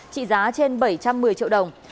trị giá trên bảy trăm một mươi triệu đồng